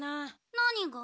何が？